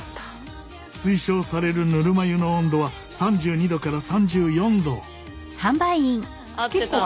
推奨されるぬるま湯の温度は３２℃から３４℃。